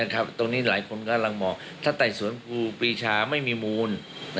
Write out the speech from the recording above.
ตรงนี้หลายคนกำลังบอกถ้าไต่สวนครูปีชาไม่มีมูล